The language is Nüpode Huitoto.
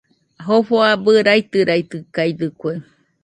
Jofo abɨ raitɨraitɨkaɨdɨkue.